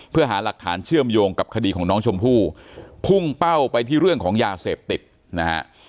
เพื่อหาหลักฐานเชื่อมโยงกับคดีของน้องชมพู่พุ่งเป้าไปที่เรื่องของยาเสพติดนะฮะ